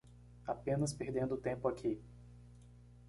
Apenas perdendo tempo aqui